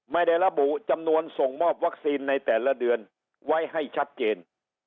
ไม่ได้ระบุจำนวนส่งมอบวัคซีนในแต่ละเดือนไว้ให้ชัดเจน